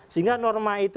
sehingga norma itu